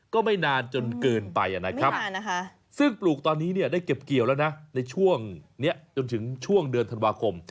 ก็ไม่นานจนเกินไปนะครับซึ่งปลูกตอนนี้ได้เก็บเกี่ยวแล้วนะในช่วงนี้จนถึงช่วงเดือนธันวาคม